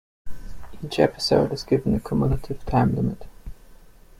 Each episode is given a cumulative time limit.